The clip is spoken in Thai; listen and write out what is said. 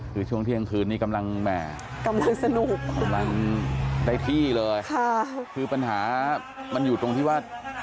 คือช่วงเที่ยงคืนนี่กำลังแหม่ได้ที่เลยคือปัญหามันอยู่ตรงที่ว่า